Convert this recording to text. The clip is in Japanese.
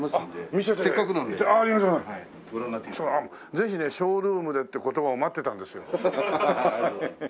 ぜひねショールームでって言葉を待ってたんですよ。